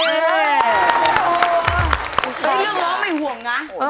เรื่องร้องไม่ห่วงนะ